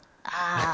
ああ。